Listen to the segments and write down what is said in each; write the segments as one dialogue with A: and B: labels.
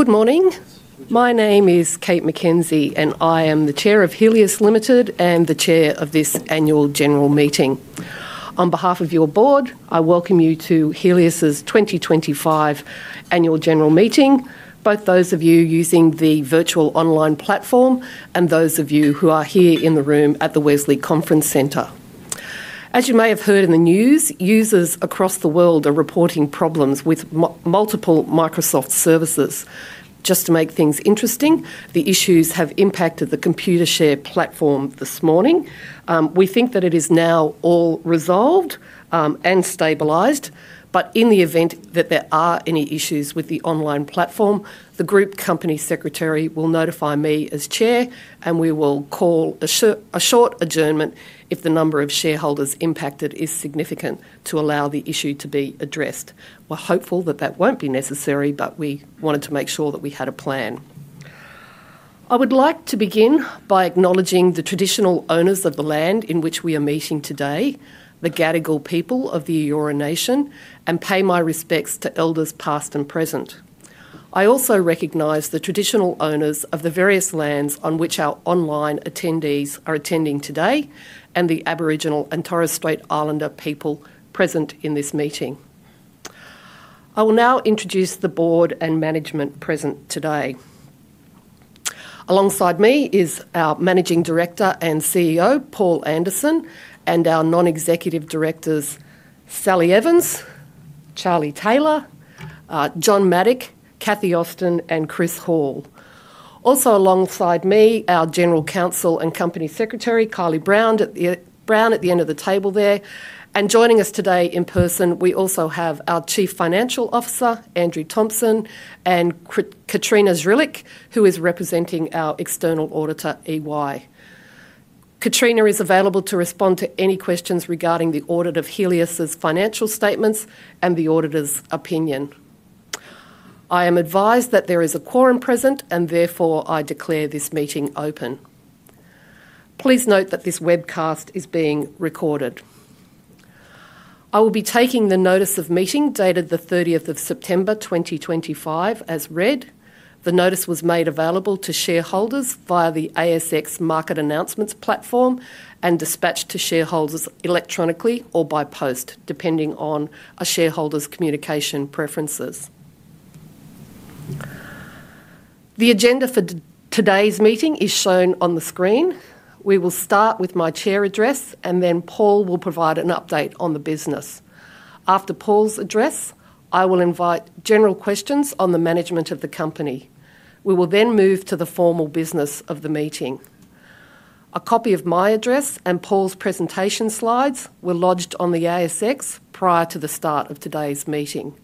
A: Good morning. My name is Kate McKenzie and I am the Chair of Healius Limited and the Chair of this Annual General Meeting. On behalf of your Board, I Welcome you to Healius 2025 Annual General Meeting, both those of you using the virtual online platform and those of you who are here in the room at the Wesley Conference Centre. As you may have heard in the news, users across the world are reporting problems with multiple Microsoft services. To make things interesting, the issues have impacted the Computershare platform this morning. We think that it is now all resolved and stabilized, but in the event that there are any issues with the online platform, the Group Company Secretary will notify me as Chair and we will call a short adjournment if the number of shareholders impacted is significant to allow the issue to be addressed. While hopeful that won't be necessary, we wanted to make sure that we had a plan. I would like to begin by acknowledging the traditional owners of the land on which we are meeting today, the Gadigal people of the Eora Nation, and pay my respects to elders past and present. I also recognize the traditional owners of the various lands on which our online attendees are attending today and the Aboriginal and Torres Strait Islander people present in this meeting. I will now introduce the Board and Management present today. Alongside me is our Managing Director and CEO Paul Anderson and our Non-Executive Directors Sally Evans, Charlie Taylor, John Mattick, Kathy Ostin, and Chris Hall. Also alongside me, our General Counsel and Company Secretary Kylie Brown. At the end of the table there and joining us today in person, we also have our Chief Financial Officer Andrew Thomson and Katrina Zdrilic, who is representing our external auditor EY. Katrina is available to respond to any questions regarding the audit of Healius financial statements and the Auditor's opinion. I am advised that there is a quorum present and therefore I declare this meeting open. Please note that this webcast is being recorded. I will be taking the notice of meeting dated 30th of September 2025 as read. The notice was made available to shareholders via the ASX Market Announcements Platform and dispatched to shareholders electronically or by post depending on a shareholder's communication preference. The agenda for today's meeting is shown on the screen. We will start with my Chair address and then Paul will provide an update on the business. After Paul's address I will invite general questions on the management of the company. We will then move to the formal business of the meeting. A copy of my address and Paul's presentation slides were lodged on the ASX prior to the start of today's meeting.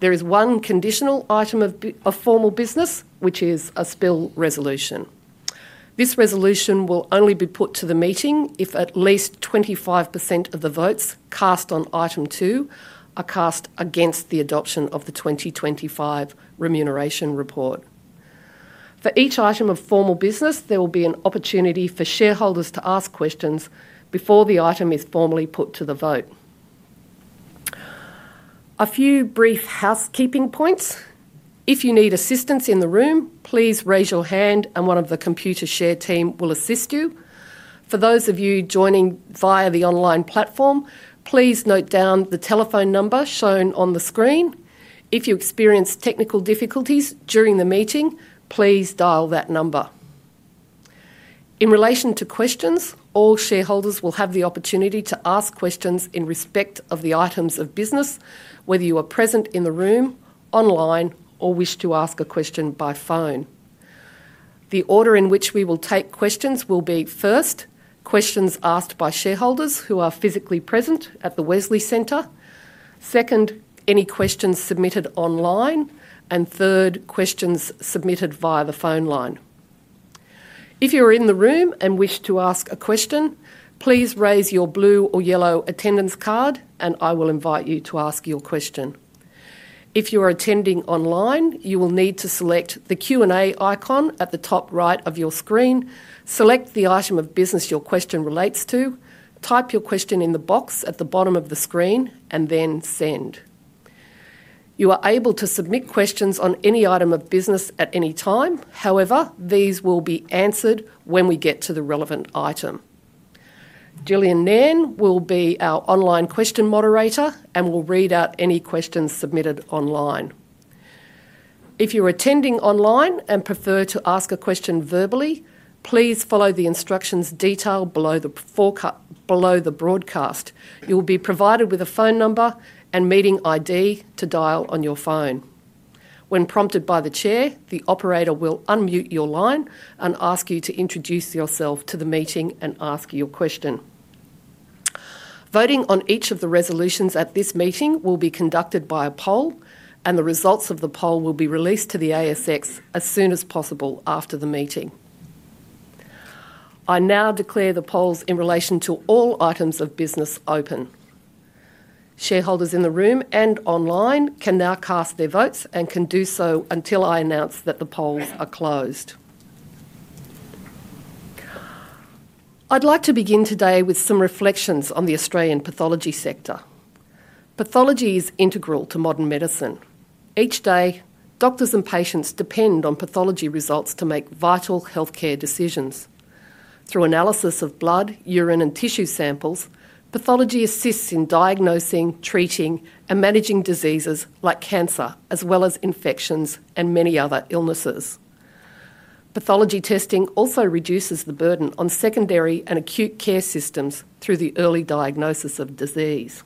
A: There is one conditional Item of formal business, which is a spill resolution. This resolution will only be put to the meeting if at least 25% of the votes cast on Item 2 are cast against the adoption of the 2025 remuneration report. For each Item of formal business, there will be an opportunity for shareholders to ask questions before the Item is formally put to the vote. A few brief housekeeping points: if you need assistance in the room, please raise your hand and one of the Computershare team will assist you. For those of you joining via the online platform, please note down the telephone number shown on the screen. If you experience technical difficulties during the meeting, please dial that number. In relation to questions, all shareholders will have the opportunity to ask questions in respect of the Items of business. Whether you are present in the room, online, or wish to ask a question by phone, the order in which we will take questions will be: first, questions asked by shareholders who are physically present at the Wesley Centre; second, any questions submitted online; and third, questions submitted via the phone line. If you are in the room and wish to ask a question, please raise your blue or yellow attendance card and I will invite you to ask your question. If you are attending online, you will need to select the Q and A icon at the top right of your screen, select the Item of business your question relates to, type your question in the box at the bottom of the screen, and then send. You are able to submit questions on any Item of business at any time. However, these will be answered when we get to the relevant Item. Gillian Nairn will be our online question moderator and will read out any questions submitted online. If you're attending online and prefer to ask a question verbally, please follow the instructions detailed below the broadcast. You will be provided with a phone number and meeting ID to dial on your phone. When prompted by the Chair, the operator will unmute your line and ask you to introduce yourself to the meeting and ask your question. Voting on each of the resolutions at this meeting will be conducted by a poll, and the results of the poll will be released to the ASX as soon as possible after the meeting. I now declare the polls in relation to all Items of business open. Shareholders in the room and online can now cast their votes and can do so until I announce that the polls are closed. I'd like to begin today with some reflections on The Australian pathology sector. Pathology is integral to modern medicine. Each day, doctors and patients depend on pathology results to make vital health care decisions through analysis of blood, urine, and tissue samples. Pathology assists in diagnosing, treating, and managing diseases like cancer as well as infections and many other illnesses. Pathology testing also reduces the burden on secondary and acute care systems through the early diagnosis of disease.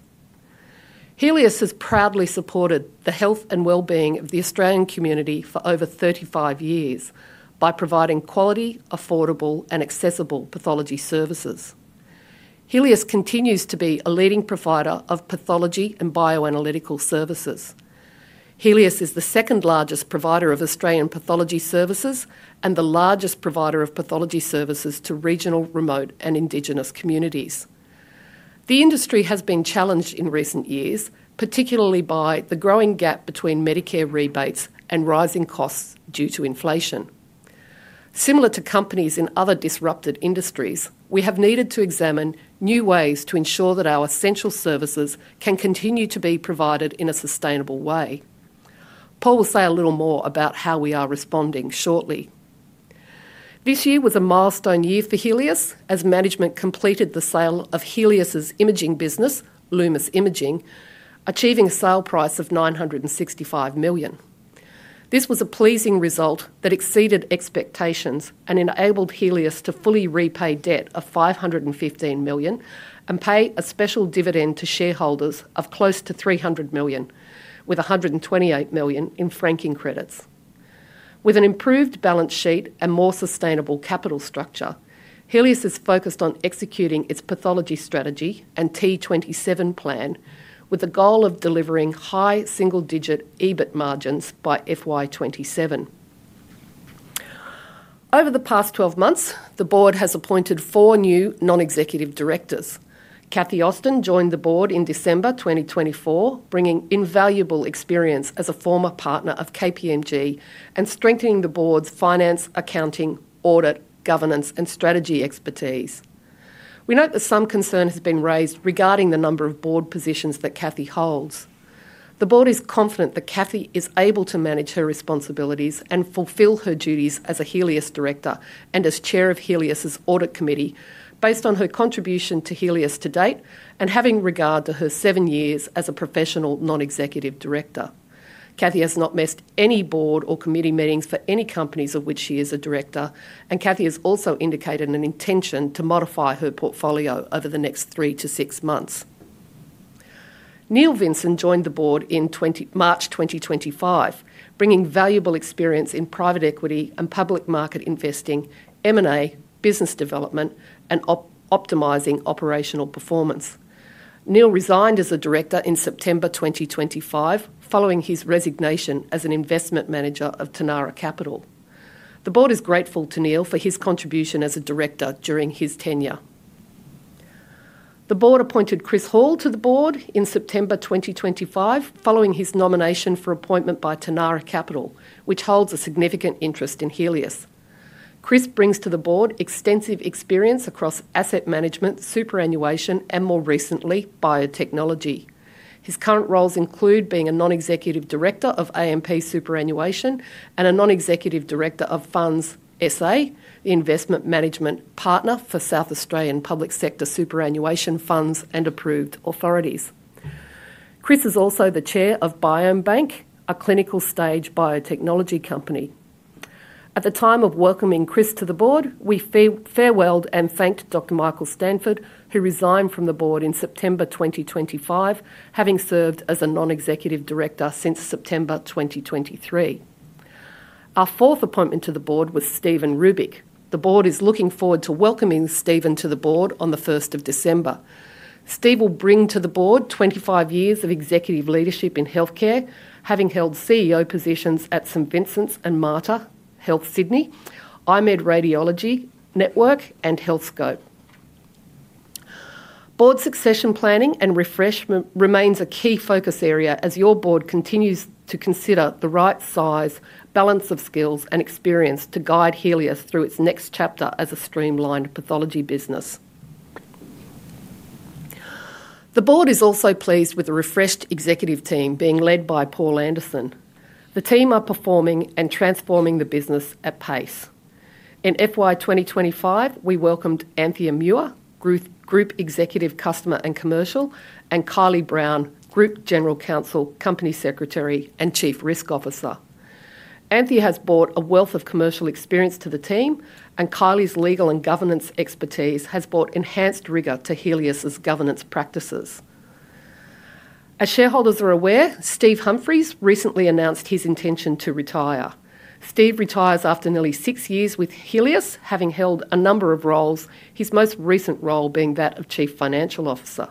A: Healius has proudly supported the health and wellbeing of The Australian community for over 35 years by providing quality, affordable, and accessible pathology services. Healius continues to be a leading provider of pathology and bioanalytical services. Healius is the second largest provider of Australian pathology services and the largest provider of pathology services to regional, remote, and Indigenous communities. The industry has been challenged in recent years, particularly by the growing gap between Medicare rebates and rising costs due to inflation. Similar to companies in other disrupted industries, we have needed to examine new ways to ensure that our essential services can continue to be provided in a sustainable way. Paul will say a little more about how we are responding shortly. This year was a milestone year for Healius as management completed the sale of the Healius Imaging business, Lumus Imaging, achieving a sale price of 965 million. This was a pleasing result that exceeded expectations and enabled Healius to fully repay debt of 515 million and pay a special dividend to shareholders of close to 300 million with 128 million in franking credits. With an improved balance sheet and more sustainable capital structure, Healius is focused on executing its pathology strategy and T27 planning with the goal of delivering high single digit EBIT margins by FY 2027. Over the past 12 months, the board has appointed four new Non-Executive Directors. Kathy Ostin joined the Board in December 2024, bringing invaluable experience as a former partner of KPMG and strengthening the Board's finance, accounting, audit, governance, and strategy expertise. We note that some concern has been raised regarding the number of Board positions that Kathy holds. The Board is confident that Kathy is able to manage her responsibilities and fulfill her duties as a Healius Director and as Chair of the Healius Audit Committee. Based on her contribution to Healius to date and having regard to her seven years as a professional Non-Executive Director, Kathy has not missed any Board or committee meetings for any companies of which she is a director, and Kathy has also indicated an intention to modify her portfolio over the next three to six months. Neil Vinson joined the Board in March 2025, bringing valuable experience in private equity and public market investing, M&A, business development, and optimizing operational performance. Neil resigned as a Director in September 2025 following his resignation as an Investment Manager of Tanarra Capital. The Board is grateful to Neil for his contribution as a Director during his tenure. The Board appointed Chris Hall to the Board in September 2025 following his nomination for appointment by Tanarra Capital, which holds a significant interest in Healius. Chris brings to the Board extensive experience across asset management, Superannuation, and more recently, biotechnology. His current roles include being a Non-Executive Director of AMP Superannuation and a Non-Executive Director of Funds SA, Investment Management Partner for South Australian public sector Superannuation funds and approved authorities. Chris is also the Chair of BiomeBank, a clinical stage biotechnology company. At the time of welcoming Chris to the Board, we farewelled and thanked Dr. Michael Stanford, who resigned from the Board in September 2025, having served as a Non-Executive Director since September 2023. Our fourth appointment to the Board was Steven Rubic. The Board is looking forward to welcoming Steven to the Board on 1st of December. Steven will bring to the Board 25 years of executive leadership in healthcare, having held CEO positions at St Vincent's and Mater Health Sydney, I-MED Radiology Network, and Healthscope Board. Succession planning and refreshment remains a key focus area as your Board continues to consider the right size, balance of skills, and experience to guide Healius through its next chapter as a streamlined pathology business. The Board is also pleased with the refreshed executive team being led by Paul Anderson. The team are performing and transforming the business at pace. In FY 2025 we welcomed Anthea Muir, Group Executive Customer and Commercial, and Kylie Brown, Group General Counsel, Company Secretary, and Chief Risk Officer. Anthea has brought a wealth of commercial experience to the team, and Kylie's legal and governance expertise has brought enhanced rigor to Healius governance practices. As shareholders are aware, Steve Humphries recently announced his intention to retire. Steve retires after nearly six years with Healius, having held a number of roles, his most recent role being that of Chief Financial Officer.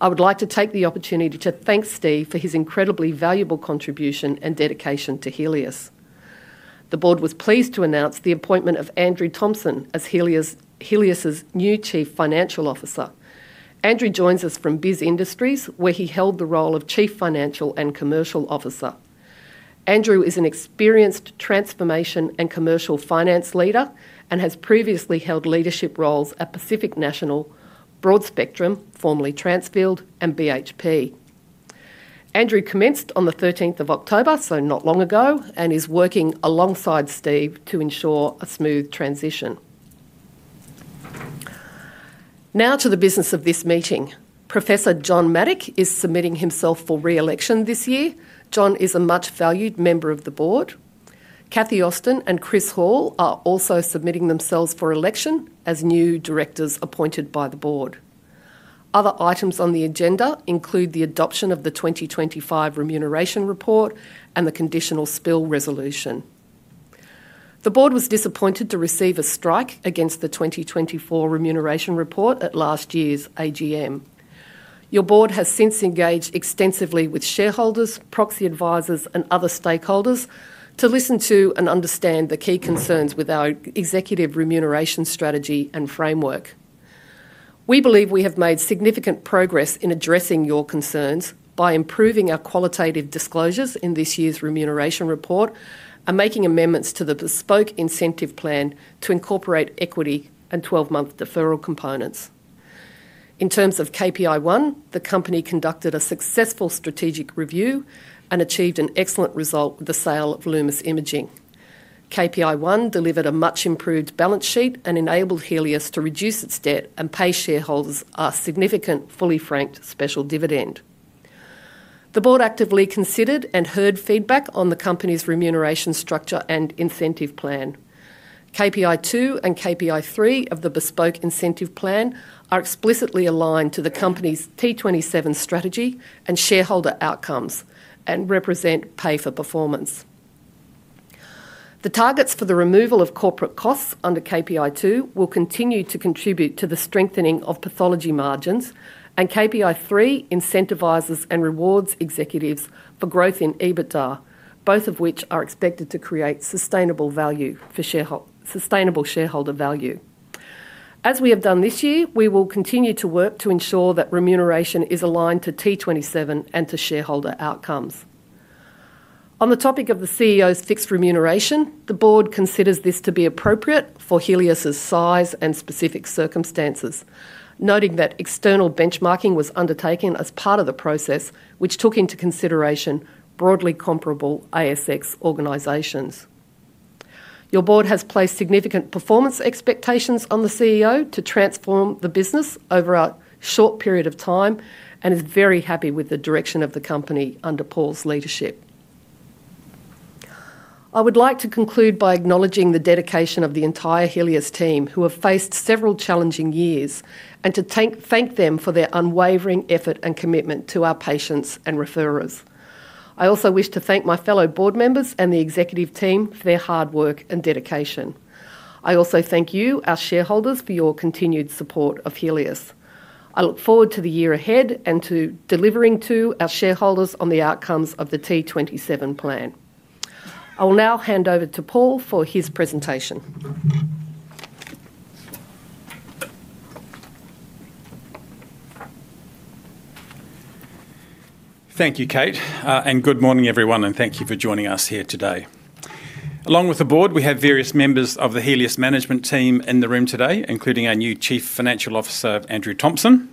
A: I would like to take the opportunity to thank Steve for his incredibly valuable contribution and dedication to Healius. The Board was pleased to announce the appointment of Andrew Thomson as Healius' new Chief Financial Officer. Andrew joins us from BIS Industries, where he held the role of Chief Financial and Commercial Officer. Andrew is an experienced transformation and commercial finance leader and has previously held leadership roles at Pacific National, Broadspectrum, formerly Transfield, and BHP. Andrew commenced on the 13th of October, so not long ago, and is working alongside Steve to ensure a smooth transition. Now to the business of this meeting. Professor John Mattick is submitting himself for re-election this year. John is a much valued member of the Board. Kathy Ostin and Chris Hall are also submitting themselves for election as new directors appointed by the Board. Other Items on the agenda include the adoption of the 2025 remuneration report and the conditional spill resolution. The Board was disappointed to receive a strike against the 2024 remuneration report at last year's AGM. Your Board has since engaged extensively with shareholders, proxy advisers, and other stakeholders to listen to and understand the key concerns with our executive remuneration strategy and framework. We believe we have made significant progress in addressing your concerns by improving our qualitative disclosures in this year's remuneration report and making amendments to the bespoke incentive plan to incorporate equity and 12-month deferral components. In terms of KPI 1, the company conducted a successful strategic review and achieved an excellent result with the sale of Lumus Imaging. KPI 1 delivered a much improved balance sheet and enabled Healius to reduce its debt and pay shareholders a significant, significant fully franked special dividend. The Board actively considered and heard feedback on the company's remuneration structure and incentive plan. KPI 2 and KPI 3 of the bespoke incentive plan are explicitly aligned to the company's T27 strategy and shareholder outcomes and represent pay for performance. The targets for the removal of corporate costs under KPI 2 will continue to contribute to the strengthening of pathology margins and KPI 3 incentivizes and rewards executives for growth in EBITDA, both of which are expected to create sustainable value for sustainable shareholder value. As we have done this year, we will continue to work to ensure that remuneration is aligned to T27 and to shareholder outcomes. On the topic of the CEO's fixed remuneration, the Board considers this to be appropriate for Healius's size and specific circumstances, noting that external benchmarking was undertaken as part of the process which took into consideration broadly comparable ASX organizations. Your Board has placed significant performance expectations on the CEO to transform the business over a short period of time and is very happy with the direction of the company under Paul's leadership. I would like to conclude by acknowledging the dedication of the entire Healius team who have faced several challenging years and to thank them for their unwavering effort and commitment to our patients and referrers. I also wish to thank my fellow Board members and the executive team for their hard work and dedication. I also thank you, our shareholders, for your continued support of Healius. I look forward to the year ahead and to delivering to our shareholders on the outcomes of the T27 plan. I will now hand over to Paul for his presentation.
B: Thank you, Kate, and good morning, everyone, and thank you for joining us here today. Along with the Board, we have various members of the Healius management team in the room today, including our new Chief Financial Officer, Andrew Thomson.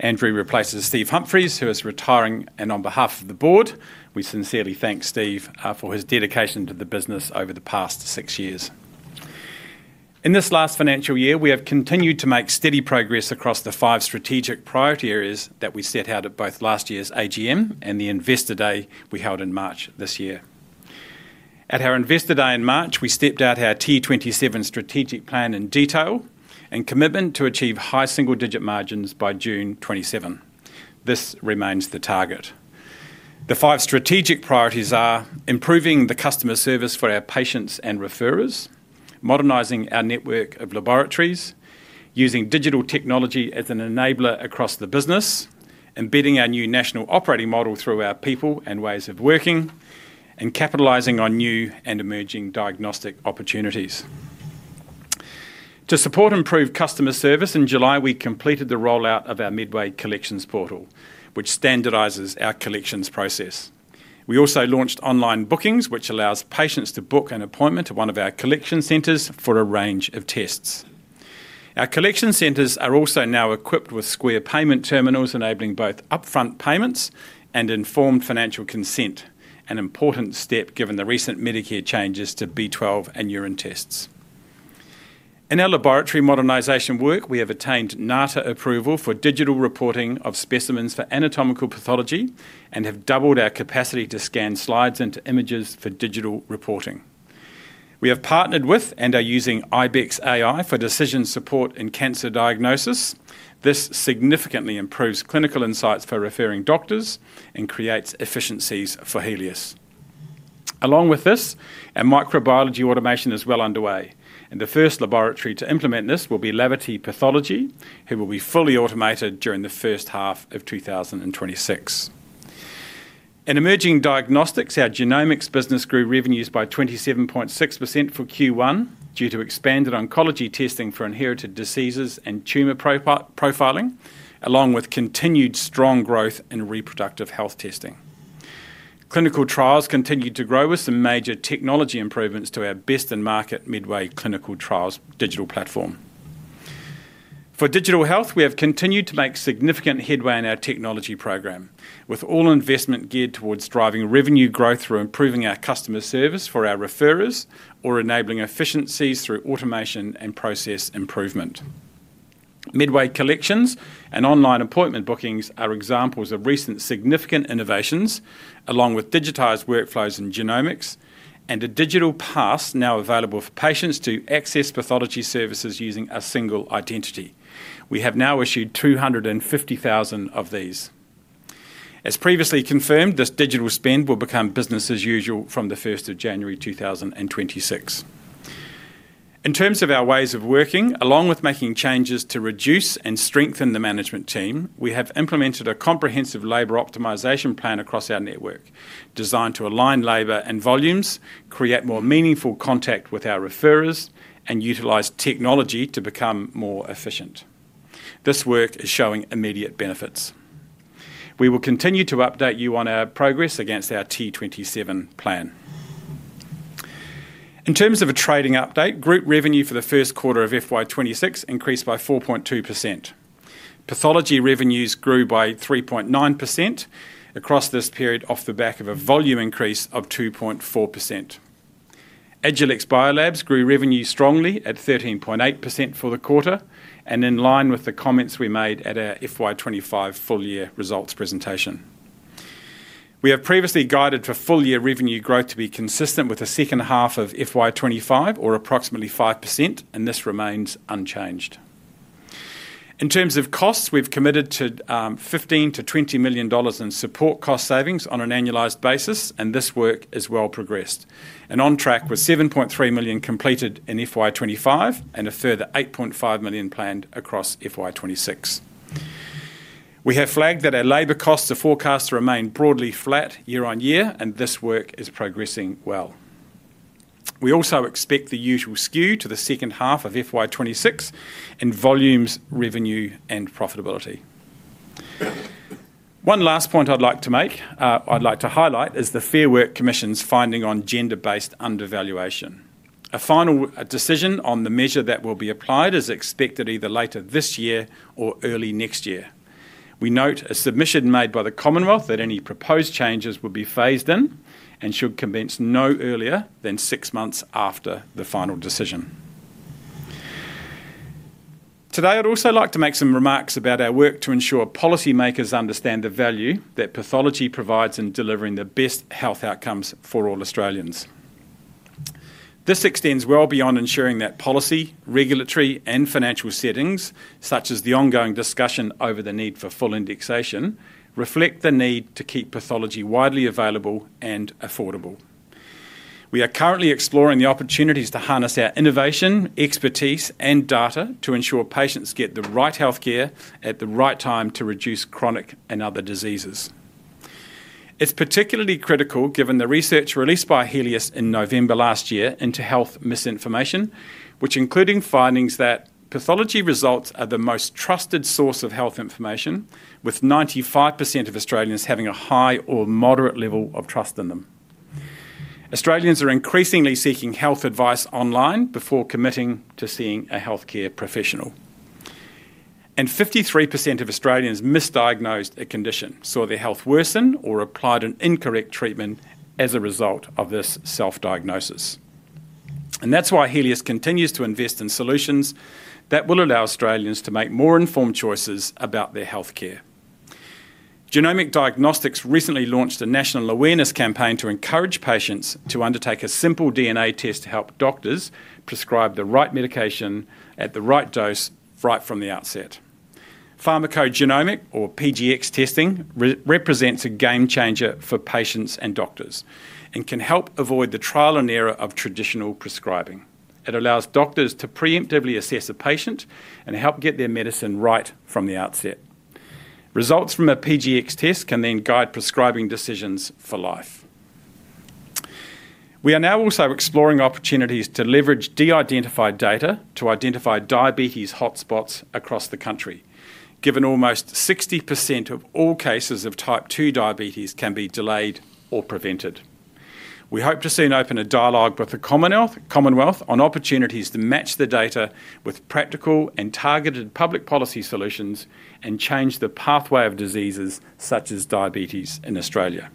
B: Andrew replaces Steve Humphries, who is retiring, and on behalf of the Board, we sincerely thank Steve for his dedication to the business over the past six years. In this last financial year, we have continued to make steady progress across the five strategic priority areas that we set out at both last year's AGM and the Investor Day we held in March this year. At our Investor Day in March, we stepped out our T27 strategy in detail and commitment to achieve high single-digit EBIT margins by June 2027. This remains the target. The five strategic priorities are improving the customer service for our patients and referrers, modernizing our network of laboratories using digital technology as an enabler across the business, embedding our new national operating model through our people and ways of working, and capitalizing on new and emerging diagnostic opportunities to support improved customer service. In July, we completed the rollout of our Medway Collections portal, which standardizes our collections process. We also launched online bookings, which allows patients to book an appointment to one of our collection centers for a range of tests. Our collection centers are also now equipped with Square payment terminals, enabling both upfront payments and informed financial consent, an important step given the recent Medicare changes to B12 and urine tests. In our laboratory modernization work, we have attained NATA approval for digital pathology reporting of specimens for anatomical pathology and have doubled our capacity to scan slides into images for digital reporting. We have partnered with and are using IBEX AI for decision support in cancer diagnosis. This significantly improves clinical insights for referring doctors and creates efficiencies for Healius. Along with this, our microbiology automation is well underway, and the first laboratory to implement this will be Laverty Pathology, who will be fully automated during the first half of 2026. In emerging diagnostics, our genomics business grew revenues by 27.6% for Q1 due to expanded oncology testing for inherited diseases and tumor profiling, along with continued strong growth in reproductive health testing. Clinical trials continued to grow with some major technology improvements to our best-in-market Medway clinical trials digital platform for digital health. We have continued to make significant headway in our technology program, with all investment geared towards driving revenue growth through improving our customer service for our referrers or enabling efficiencies through automation and process improvement. Medway Collections and online appointment bookings are examples of recent significant innovations, along with digitized workflows in genomics and a digital patient pass now available for patients to access pathology services using a single identity. We have now issued 250,000 of these. As previously confirmed, this digital spend will become business as usual from 1st of January 2026. In terms of our ways of working, along with making changes to reduce and strengthen the management team, we have implemented a comprehensive labor optimization plan across our network designed to align labor and volumes, create more meaningful contact with our referrers, and utilize technology to become more efficient. This work is showing immediate benefits. We will continue to update you on our progress against our T27 strategy. In. terms of a trading update, group revenue for the first quarter of FY 2026 increased by 4.2%. Pathology revenues grew by 3.9% across this period off the back of a volume increase of 2.44%. Agilex Biolabs grew revenue strongly at 13.8% for the quarter and in line with the comments we made at our FY 2025 full year results presentation. We have previously guided for full year revenue growth to be consistent with the second half of FY 2025 or approximately 5%, and this remains unchanged. In terms of costs, we've committed to 15 million-20 million dollars in support cost savings on an annualized basis and this work is well progressed and on track, with 7.3 million completed in FY 2025 and a further 8.5 million planned across FY 2026. We have flagged that our labor costs are forecast to remain broadly flat year on year and this work is progressing well. We also expect the usual skew to the second half of FY 2026 in volumes, revenue, and profitability. One last point I'd like to highlight is the Fair Work Commission's finding on gender-based undervaluation. A final decision on the measure that will be applied is expected either later this year or early next year. We note a submission made by the Commonwealth that any proposed changes will be phased in and should commence no earlier than six months after the final decision. Today. I'd also like to make some remarks about our work to ensure policymakers understand the value that pathology provides in delivering the best health outcomes for all Australians. This extends well beyond ensuring that policy, regulatory, and financial settings, such as the ongoing discussion over the need for full indexation, reflect the need to keep pathology widely available and affordable. We are currently exploring the opportunities to harness our innovation, expertise, and data to ensure patients get the right healthcare care at the right time to reduce chronic and other diseases. It's particularly critical given the research released by Healius in November last year into health misinformation, which included findings that pathology results are the most trusted source of health information. With 95% of Australians having a high or moderate level of trust in them, Australians are increasingly seeking health advice online before committing to seeing a healthcare professional. 53% of Australians misdiagnosed a condition, saw their health worsen, or applied an incorrect treatment as a result of this self-diagnosis. That's why Healius continues to invest in solutions that will allow Australians to make more informed choices about their health care. Genomic Diagnostics recently launched a national awareness campaign to encourage patients to undertake a simple DNA test to help doctors prescribe the right medication at the right dose right from the outset. Pharmacogenomic or PGx testing represents a game changer for patients and doctors and can help avoid the trial and error of traditional prescribing. It allows doctors to preemptively assess a patient and help get their medicine right from the outset. Results from a PGx test can then guide prescribing decisions for life. We are now also exploring opportunities to leverage de-identified data to identify diabetes hotspots across the country. Given almost 60% of all cases of type 2 diabetes can be delayed or prevented, we hope to soon open a dialogue with the Commonwealth on opportunities to match the data with practical and targeted public policy solutions and change the pathway of diseases such as diabetes in Australia.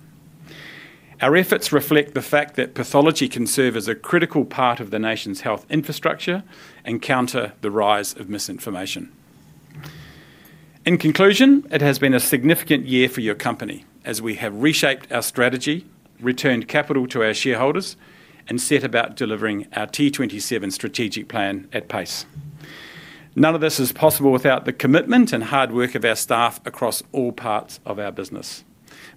B: Our efforts reflect the fact that pathology can serve as a critical part of the nation's health infrastructure and counter the rise of misinformation. In conclusion, it has been a significant year for your company as we have reshaped our strategy, returned capital to our shareholders, and set about delivering our T27 strategic plan at pace. None of this is possible without the commitment and hard work of our staff across all parts of our business.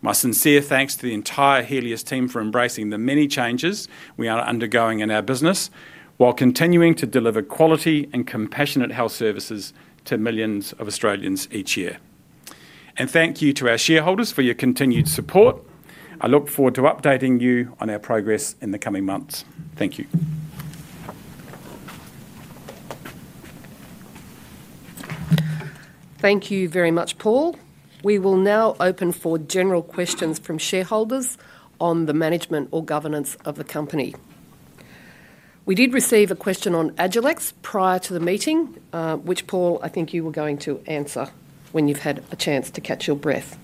B: My sincere thanks to the entire Healius team for embracing the many changes we are undergoing in our business while continuing to deliver quality and compassionate health services to millions of Australians each year. Thank you to our shareholders for your continued support. I look forward to updating you on our progress in the coming months. Thank you.
A: Thank you very much, Paul. We will now open for general questions from shareholders on the management or governance of the company. We did receive a question on Agilex Biolabs prior to the meeting, which Paul, I think you were going to answer when you've had a chance to catch your breath.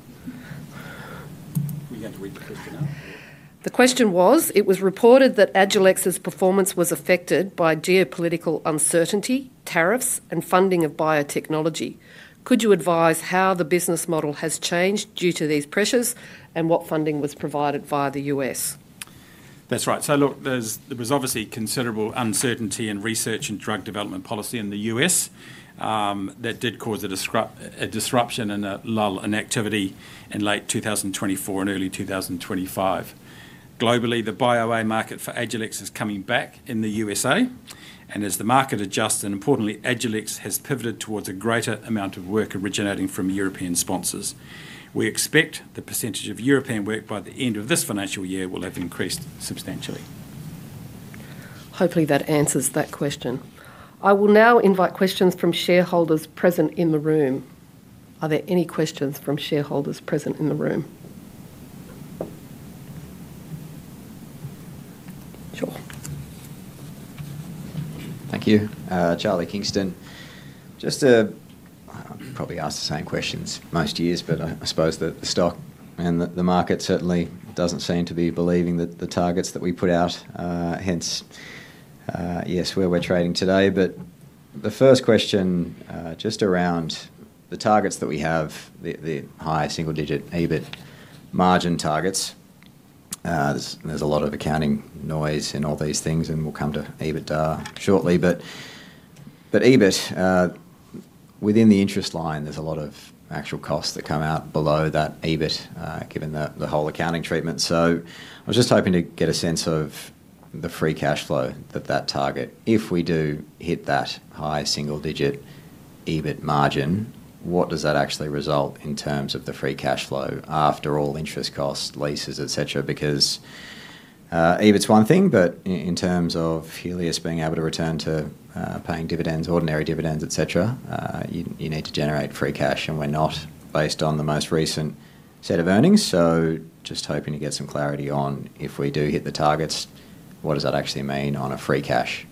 A: The question was it was reported that Agilex Biolabs' performance was affected by geopolitical uncertainty, tariffs, and funding of biotechnology. Could you advise how the business model has changed due to these pressures and what funding was provided via the U.S.?
B: That's right. There was obviously considerable uncertainty in research and drug development policy in the U.S. that did cause a disruption and a lull in activity in late 2024 and early 2025 globally. The BIO market for Agilex is coming back in the U.S., and as the market adjusts and importantly Agilex has pivoted towards a greater amount of work originating from European sponsors, we expect the percentage of European work by the end of this financial year will have increased substantially.
A: Hopefully that answers that question. I will now invite questions from shareholders present in the room. Are there any questions from shareholders present in the room? Sure.
C: Thank you. Charlie Kingston. I probably ask the same questions most years, but I suppose the stock and the market certainly doesn't seem to be believing that the targets that we put out, hence yes, where we're trading today. The first question, just around the targets that we have, the high single digit EBIT margin targets, there's a lot of accounting noise in all these things and we'll come to EBITDA shortly. EBIT, within the interest line, there's a lot of actual costs that come out below that EBIT given the whole accounting treatment. I was just hoping to get a sense of the free cash flow that that target, if we do hit that high single digit EBIT margin, what does that actually result in terms of the free cash flow after all interest costs, leases, etc. Because EBIT is one thing, but in terms of Healius being able to return to paying dividends, ordinary dividends, etc., you need to generate free cash and we're not based on the most recent set of earnings. Just hoping to get some clarity on if we do hit the targets, what does that actually mean on a free cash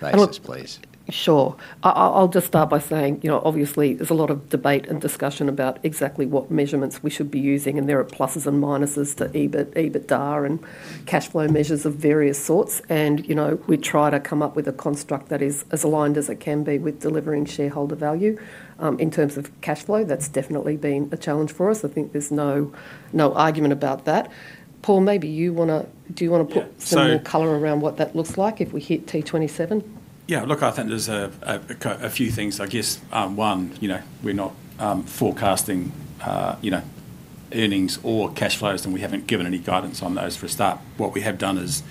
C: basis, please?
A: Sure. I'll just start by saying, you know, obviously there's a lot of debate and discussion about exactly what measurements we should be using, and there are pluses and minuses to EBIT, EBITDA, and cash flow measures of various sorts. You know, we try to come up with a construct that is as aligned as it can be with delivering shareholder value in terms of cash flow. That's definitely been a challenge for us. I think there's no argument about that. Paul, maybe you want to put some more color around what that looks like if we hit T27?
B: Yeah, look, I think there's a few things. I guess, one, we're not forecasting earnings or cash flows, and we haven't given any guidance on those. For a start, what we have done is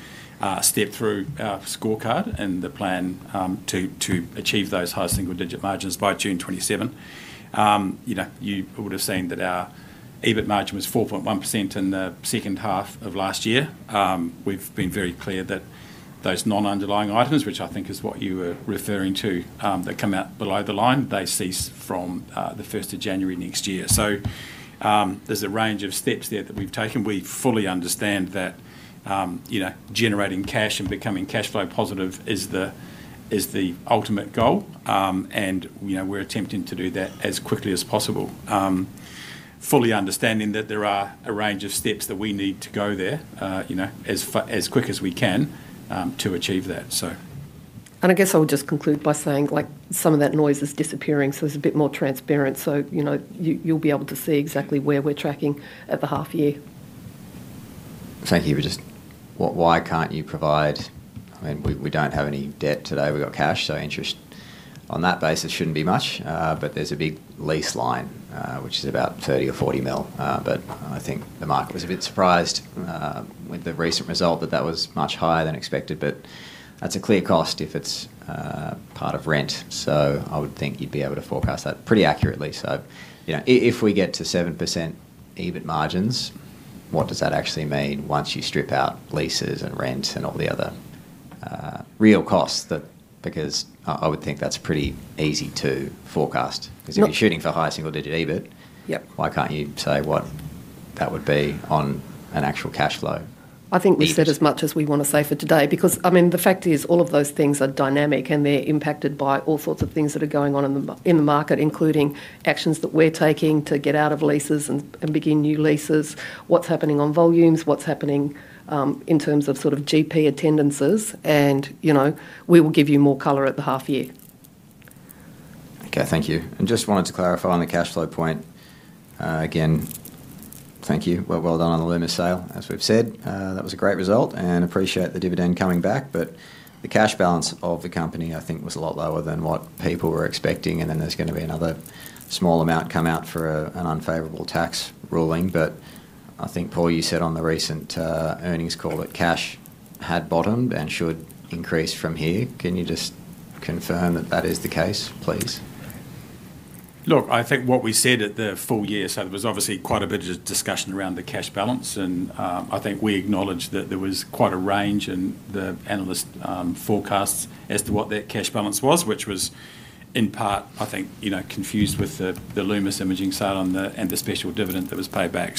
B: step through our scorecard and the plan to achieve those high single-digit margins by June 2027. You would have seen that our EBIT margin was 4.1% in the second half of last year. We've been very clear that those non-underlying Items, which I think is what you were referring to, that come out below the line, they cease from the 1st of January next year. There's a range of steps there that we've taken. We fully understand that generating cash and becoming cash flow positive is the ultimate goal. We're attempting to do that as quickly as possible, fully understanding that there are a range of steps that we need to go there as quick as we can to achieve that.
A: I guess I would just conclude by saying like some of that noise is disappearing, so it's a bit more transparent. You know, you'll be able to see exactly where we're tracking at the half year.
C: Thank you. Why can't you provide? I mean, we don't have any debt today. We've got cash, so interest on that basis shouldn't be much. There's a big lease line, which is about 30 million or 40 million. I think the market was a bit surprised with the recent result that that was much higher than expected. That's a clear cost if it's part of rent. I would think you'd be able to forecast that pretty accurately. If we get to 7% EBIT margins, what does that actually mean once you strip out leases and rent and all the other real costs? I would think that's pretty easy to forecast. If you're shooting for high single digit EBIT, why can't you say what that would be on an actual cash flow?
A: I think we said as much as we want to say for today because the fact is all of those things are dynamic, and they're impacted by all three that are going on in the market, including actions that we're taking to get out of leases and begin new leases. What's happening on volumes, what's happening in terms of sort of GP attendances, and you know, we will give you more color at the half year.
C: Okay, thank you. I just wanted to clarify on the cash flow point again. Thank you. Well done on the Lumus sale. As we've said, that was a great result and appreciate the dividend coming back. The cash balance of the company I think was a lot lower than what people were expecting and there's going to be another small amount come out for an unfavorable tax ruling. I think, Paul, you said on the recent earnings call that cash had bottomed and should increase from here. Can you just confirm that that is the case, please?
B: Look, I think what we said at the full year, there was obviously quite a bit of discussion around the cash balance and I think we acknowledged that there was quite a range in the analyst forecasts as to what that cash balance was, which was in part, I think, confused with the Lumus Imaging sale and the special dividend that was paid back.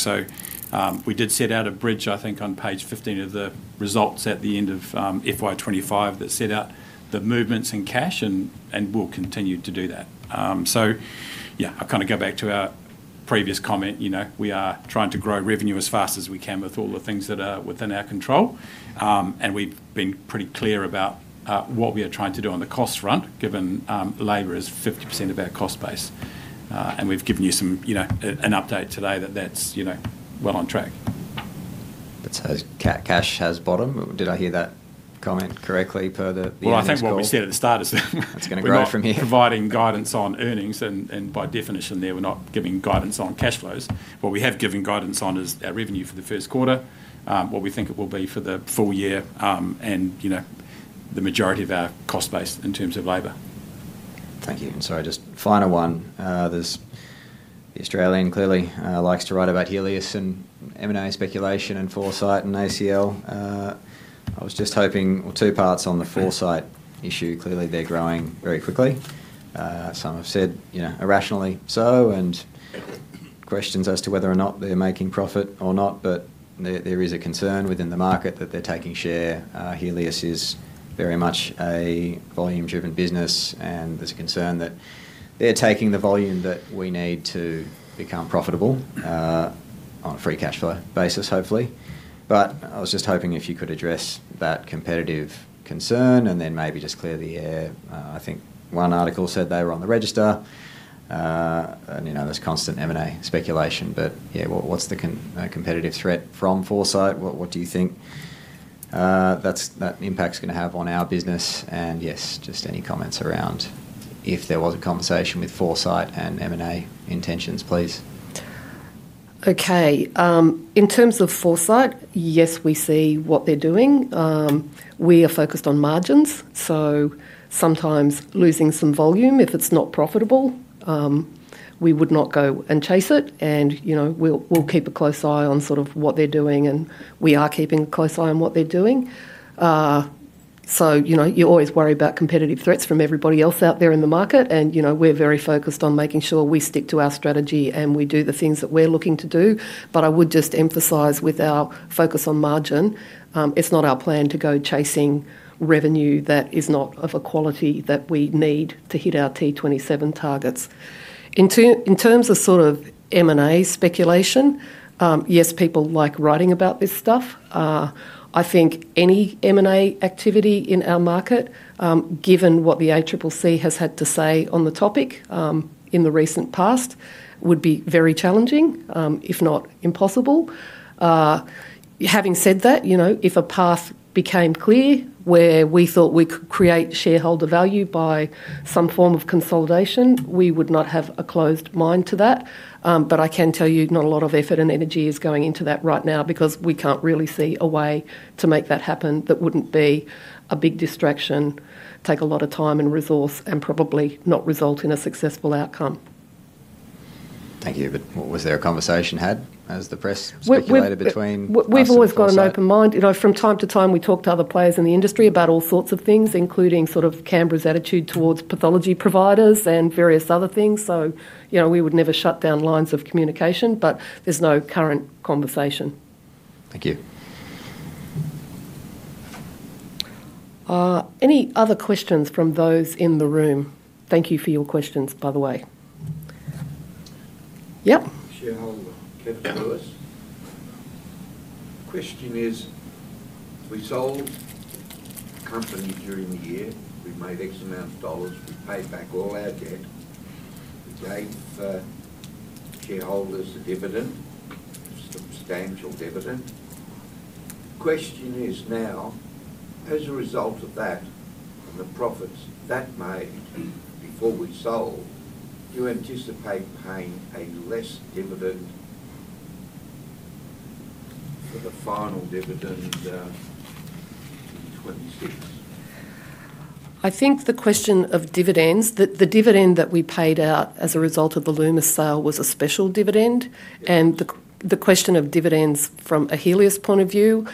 B: We did set out a bridge, I think on page 15 of the results at the end of FY 2025 that set out the movements in cash and we'll continue to do that. I kind of go back to our previous comment. We are trying to grow revenue as fast as we can with all the things that are within our control and we've been pretty clear about what we are trying to do on the cost front given labor is 50% of our cost base. We've given you an update today that that's well on track.
C: Cash has bottomed. Did I hear that comment correctly? Per the.
B: I think what we said at.
C: The start is going to grow from.
B: Here, providing guidance on earnings and by definition there we're not giving guidance on cash flows. What we have given guidance on is our revenue for the first quarter, what we think it will be for the full year, and you know, the majority of our cost base in terms of labor.
C: Thank you. Just final one, The Australian clearly likes to write about Healius and M&A speculation and Foresight and ACL. I was just hoping, two parts on the Foresight issue. Clearly they're growing very quickly. Some have said irrationally so, and questions as to whether or not they're making profit or not. There is a concern within the market that they're taking share. Healius is very much a volume-driven business, and there's a concern that they're taking the volume that we need to become profitable on a free cash flow basis, hopefully. I was just hoping if you could address that competitive concern and then maybe just clear the air. I think one article said they were on the register, and you know, there's constant M&A speculation, but yeah, what's the competitive threat from Foresight? What do you think that impact's going to have on our business? Yes, just any comments around if there was a conversation with Foresight and M&A intentions, please.
A: Okay. In terms of Foresight, yes, we see what they're doing. We are focused on margins, so sometimes losing some volume, if it's not profitable, we would not go and chase it. We'll keep a close eye on what they're doing. You always worry about competitive threats from everybody else out there in the market, and we're very focused on making sure we stick to our strategy and we do the things that we're looking to do. I would just emphasize with our focus on margin, it's not our plan to go chasing revenue that is not of a quality that we need to hit our T27 targets. In terms of M&A speculation, yes, people like writing about this stuff. I think any M&A activity in our market, given what the ACCC has had to say on the topic in the recent past, would be very challenging, if not impossible. Having said that, if a path became clear where we thought we could create shareholder value by some form of consolidation, we would not have a closed mind to that. I can tell you not a lot of effort and energy is going into that right now because we can't really see a way to make that happen. That wouldn't be a big distraction, take a lot of time and resource, and probably not result in a successful outcome.
C: Thank you. Was there a conversation had, as the press speculated, between.
A: We've always got an open mind. From time to time, we talk to other players in the industry about all sorts of things, including Canberra's attitude towards pathology providers and various other things. We would never shut down lines of communication, but there's no current conversation.
C: Thank you.
A: Any other questions from those in the room? Thank you for your questions, by the way. Yep.
D: Question is, we sold company during the year. We made X amount of dollars, we paid back all our debt, we gave shareholders a dividend, substantial dividend. Question is, now, as a result of that and the profits that made before we sold, do you anticipate paying a less dividend for the final dividend in 2026?
A: I think the question of dividends, the dividend that we paid out as a result of the Lumus sale was a special dividend, and the question of dividends from a Healius point of view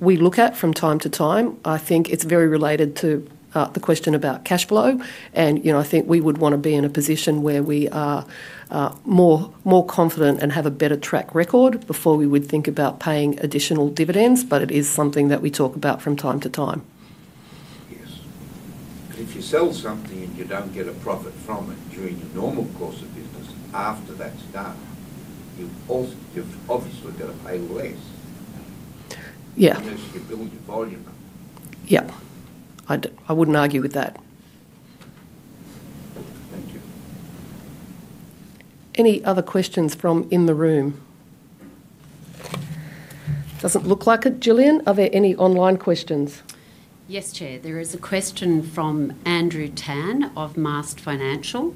A: we look at from time to time. I think it's very related to the question about cash flow, and I think we would want to be in a position where we are more confident and have a better track record before we would think about paying additional dividends. It is something that we talk about from time to time.
D: If you sell something and you don't get a profit from it during your normal course of business, after that's done, you're obviously going to pay less because you build your volume up.
A: Yep, I wouldn't argue with that. Any other questions from in the room? Doesn't look like it. Gillian, are there any online questions?
E: Yes. Chair, there is a question from Andrew Tan of MAS Financial.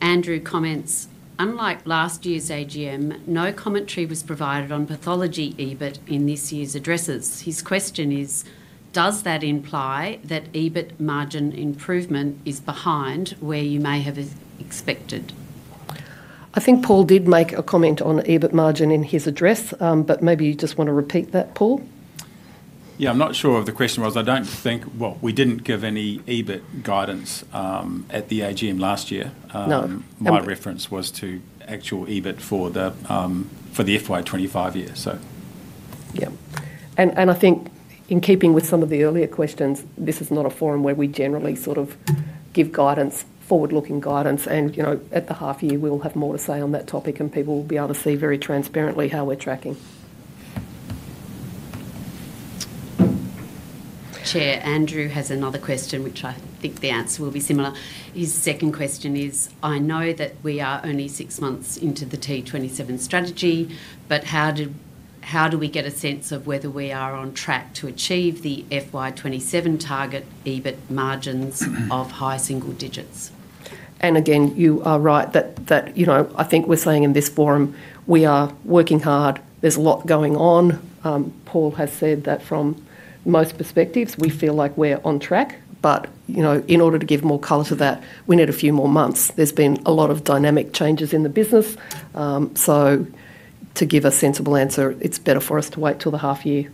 E: Andrew comments, unlike last year's AGM, no commentary was provided on pathology EBIT in this year's addresses. His question is, does that imply that EBIT margin improvement is behind where you may have expected?
A: I think Paul did make a comment on EBIT margin in his address, but maybe you just want to repeat that, Paul.
B: I'm not sure if the question was, I don't think. We didn't give any EBIT guidance at the AGM last year. No, my reference was to actual EBIT for the FY 2025 year.
A: I think in keeping with some of the earlier questions, this is not a forum where we generally give guidance, forward-looking guidance, and at the half year we'll have more to say on that topic and people will be able to see very transparently how we're tracking.
E: Chair Andrew has another question which I think the answer will be similar. His second question is, I know that we are only six months into the T27 strategy, but how do we get a sense of whether we are on track to achieve the FY 2027 target EBIT margins of high single digits.
A: You are right that, I think we're saying in this forum we are working hard, there's a lot going on. Paul has said that from most perspectives we feel like we're on track. In order to give more color to that, we need a few more months. There's been a lot of dynamic changes in the business. To give a sensible answer, it's better for us to wait till the half year.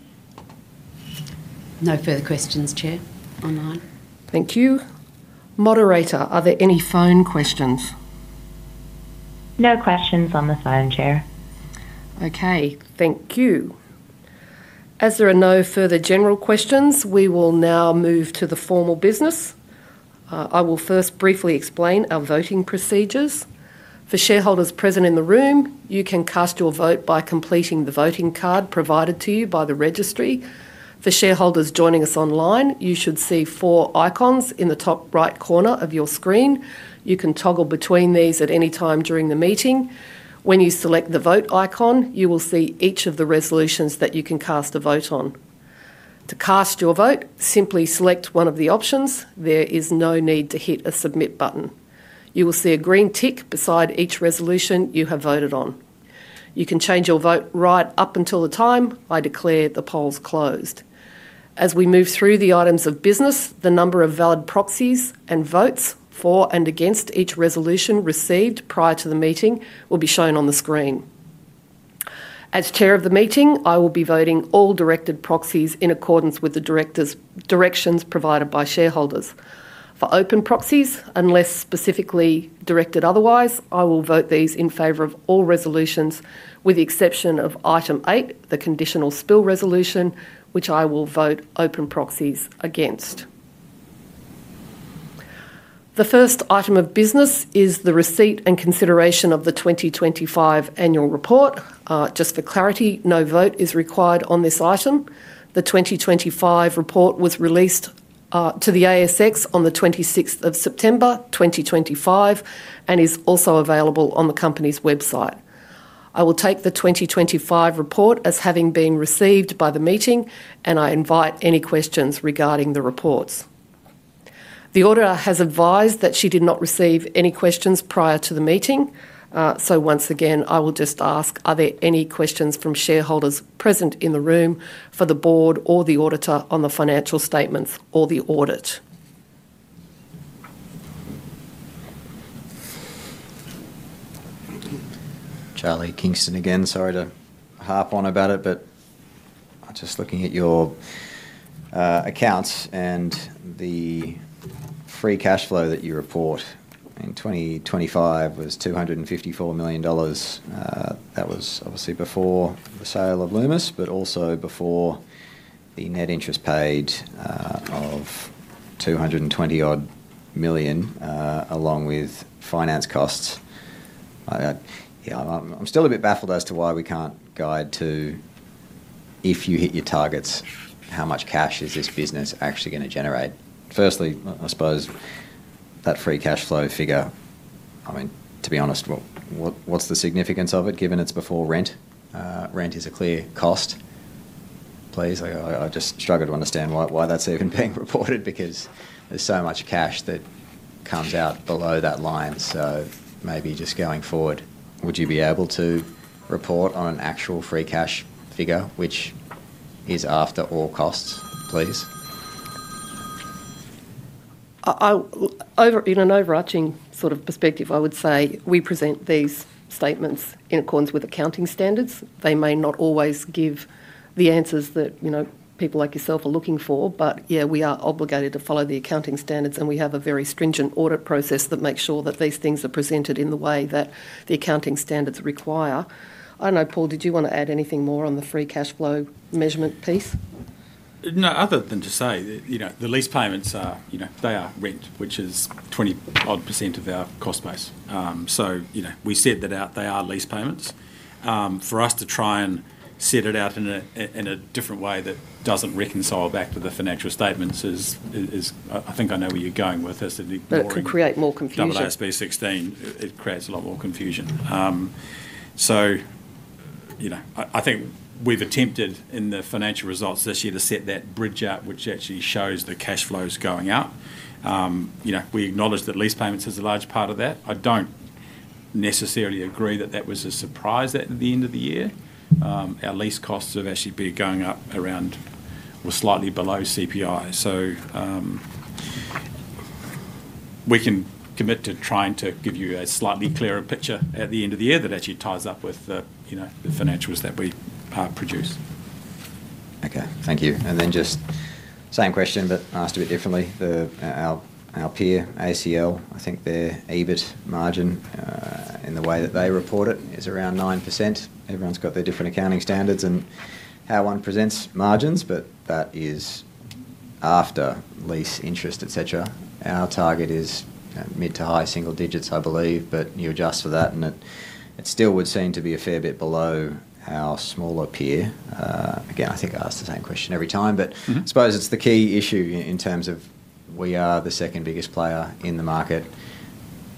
E: No further questions. Chair online.
A: Thank you. Moderator, are there any phone questions?
F: No questions on the phone. Chair.
A: Okay, thank you. As there are no further general questions, we will now move to the formal business. I will first briefly explain our voting procedures for shareholders present in the room. You can cast your vote by completing the voting card provided to you by the registry. For shareholders joining us online, you should see four icons in the top right corner of your screen. You can toggle between these at any time during the meeting. When you select the vote icon, you will see each of the resolutions that you can cast a vote on. To cast your vote, simply select one of the options. There is no need to hit a submit button. You will see a green tick beside each resolution you have voted on. You can change your vote right up until the time I declare the polls closed. As we move through the Items of business, the number of valid proxies and votes for and against each resolution received prior to the meeting will be shown on the screen. As Chair of the meeting, I will be voting all directed proxies in accordance with the directions provided by shareholders. For open proxies, unless specifically directed otherwise, I will vote these in favor of all resolutions with the exception of Item 8, the conditional spill resolution, which I will vote open proxies against. The first Item of business is the receipt and consideration of the 2025 annual report. Just for clarity, no vote is required on this Item. The 2025 report was released to the ASX on 26 September 2025 and is also available on the company's website. I will take the 2025 report as having been received by the meeting and I invite any questions regarding the reports. The auditor has advised that she did not receive any questions prior to the meeting. Once again, I will just ask, are there any questions from shareholders present in the room for the Board or the auditor on the financial statements or the audit?
C: Charlie Kingston again, sorry to harp on about it, but just looking at your accounts and the free cash flow that you report in 2025 was 250 million dollars. That was obviously before the sale of Lumus, but also before the net interest paid of 220 million along with finance costs. I'm still a bit baffled as to why we can't guide to if you hit your targets, how much cash is this business actually going to generate? Firstly, I suppose that free cash flow figure, I mean to be honest, what's the significance of it given it's before rent? Rent is a clear cost, please. I just struggle to understand why that's even being reported because there's so much cash that comes out below that line. Maybe just going forward, would you be able to report on an actual free cash figure which is after all, all costs, please.
A: In an overarching sort of perspective, I would say we present these statements in accordance with accounting standards. They may not always give the answers that people like yourself are looking for. Yes, we are obligated to follow the accounting standards, and we have a very stringent audit process that makes sure that these things are presented in the way that the accounting standards require. I don't know. Paul, did you want to add anything more on the free cash flow measurement piece?
B: No, other than to say the lease payments are rent, which is 20% of our cost base. We said that out, they are lease payments. For us to try and set it out in a different way that doesn't reconcile back to the financial statements is, I think I know where you're going with this.
A: It can create more confusion.
B: IFRS 16, it creates a lot more confusion. I think we've attempted in the financial results this year to set that bridge out, which actually shows the cash flows going up. We acknowledge that lease payments is a large part of that. I don't necessarily agree that that was a surprise. At the end of the year, our lease costs have actually been going up around or slightly below CPI. We can commit to trying to give you a slightly clearer picture at the end of the year that actually ties up with the financials that we produce.
C: Ok, thank you. Just same question but asked a bit differently. Our peer ACL, I think their EBIT margin in the way that they report it is around 9%. Everyone's got their different accounting standards and how one presents margins, but that is after lease interest, etc. Our target is mid to high single digits I believe, but you adjust for that and it still would seem to be a fair bit below our smaller peer. I think I ask the same question every time, but I suppose it's the key issue in terms of we are the second biggest player in the market.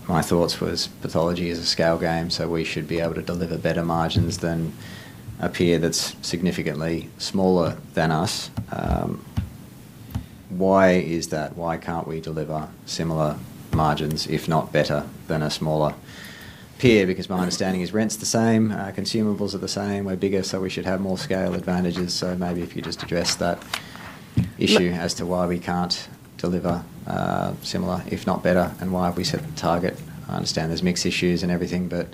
C: My thoughts was pathology is a scale game, so we should be able to deliver better margins than a peer that's significantly smaller than us. Why is that? Why can't we deliver similar margins if not better than a smaller peer? Because my understanding is rent's the same, consumables are the same, we're bigger, so we should have more scale advantages. Maybe if you just address that issue as to why we can't deliver similar if not better and why have we set the target? I understand there's mix issues and everything, but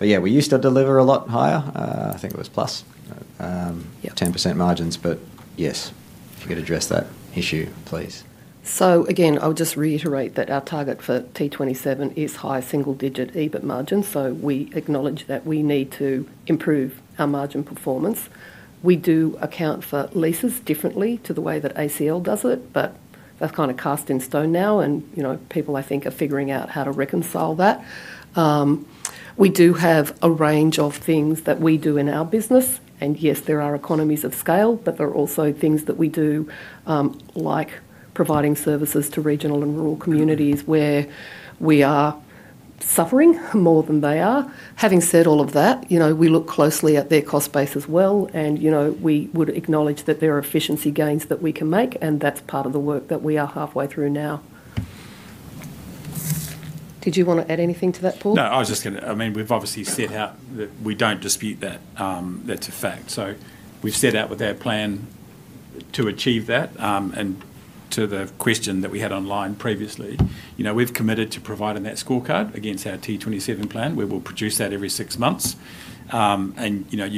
C: we used to deliver a lot higher, I think it was +10% margins. If you could address that issue, please.
A: I'll just reiterate that our target for the T27 strategy is high single-digit EBIT margin. We acknowledge that we need to improve our margin performance. We do account for leases differently to the way that acknowledges, but that's kind of cast in stone now, and people, I think, are figuring out how to reconcile that. We do have a range of things that we do in our business, and yes, there are economies of scale, but there are also things that we do, like providing services to regional and rural communities where we are suffering more than they are. Having said all of that, we look closely at their cost base as well, and we would acknowledge that there are efficiency gains that we can make, and that's part of the work that we are halfway through now. Did you want to add anything to that, Paul?
B: I was just going to say, we've obviously set out that. We don't dispute that. That's a fact. We've set out with our plan to achieve that. To the question that we had online previously, we've committed to providing that scorecard against our T27 plan. We will produce that every six months. You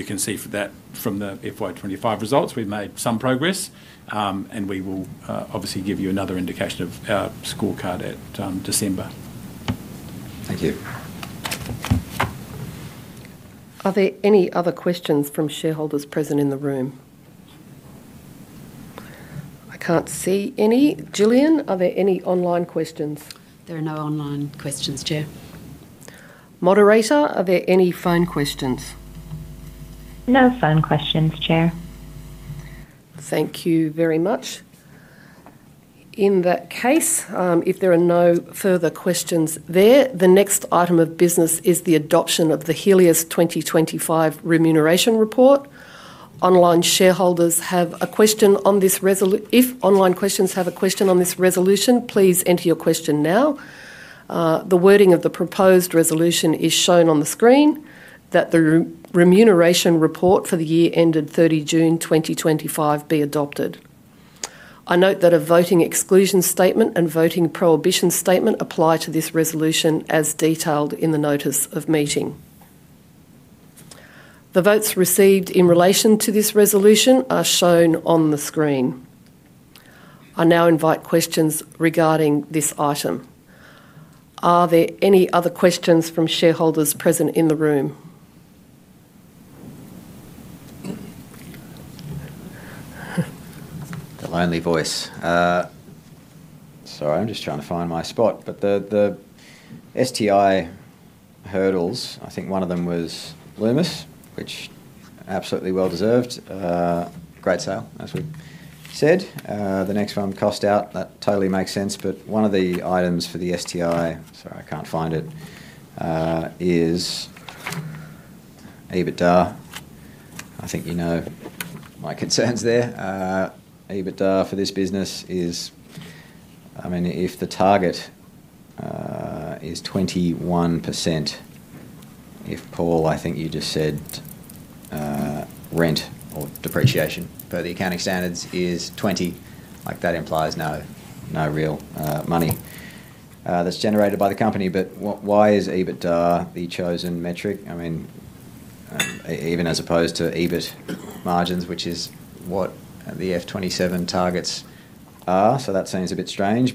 B: can see that from the FY 2025 results. We've made some progress and we will obviously give you another indication of our scorecard at December.
C: Thank you.
A: Are there any other questions from shareholders present in the room? I can't see any. Gillian, are there any online questions?
E: There are no online questions. Chair,
A: moderator, are there any phone questions?
F: No phone questions. Chair,
A: thank you very much. In that case, if there are no further questions there, the next Item of business is the adoption of the Healius 2025 remuneration report online. Shareholders have a question on this resolution. If online questions have a question on this resolution, please enter your question now. The wording of the proposed resolution is shown on the screen that the remuneration report for the year ended 30 June 2025 be adopted. I note that a voting exclusion statement and voting prohibition statement apply to this resolution as detailed in the notice of meeting. The votes received in relation to this resolution are shown on the screen. I now invite questions regarding this Item. Are there any other questions from shareholders present in the room?
G: Sorry, I'm just trying to find my spot. The STI hurdles, I think one of them was Lumus, which absolutely well deserved, great sale as we said. The next one, cost out, that totally makes sense. One of the Items for the STI, sorry, I can't find it, is EBITDA. I think you know my concerns there. EBITDA for this business is, I mean, if the target is 21%. If, Paul, I think you just said rent or depreciation for the accounting standards is 20%, like that implies no real money that's generated by the company. Why is EBITDA the chosen metric? I mean, even as opposed to EBIT margins, which is what the T27 strategy targets. That seems a bit strange.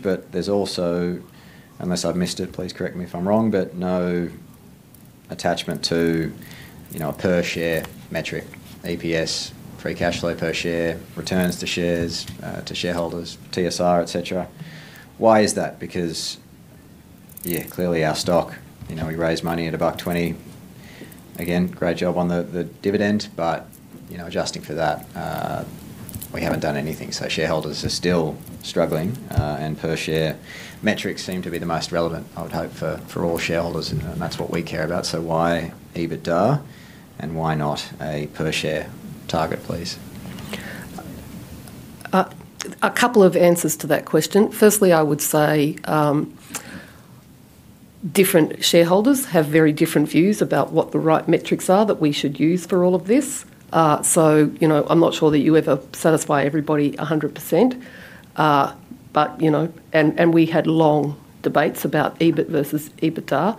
G: Unless I've missed it, please correct me if I'm wrong, but no attachment to a per share metric, EPS, free cash flow per share, returns to shareholders, TSR, etc. Why is that? Clearly our stock, you know, we raised money at 1.20. Again, great job on the dividend, but adjusting for that, we haven't done anything. Shareholders are still struggling and per share metrics seem to be the most relevant, I would hope, for all shareholders. That's what we care about. Why EBITDA and why not a per share target? Please,
A: a couple of answers to that question. Firstly, I would say different shareholders have very different views about what the right metrics are that we should use for all of this. I'm not sure that you ever satisfy everybody 100%, but we had long debates about EBIT versus EBITDA.